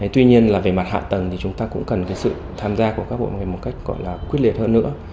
tuy nhiên là về mặt hạ tầng thì chúng ta cũng cần sự tham gia của các hội người một cách gọi là quyết liệt hơn nữa